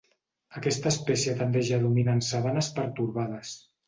Aquesta espècie tendeix a dominar en sabanes pertorbades.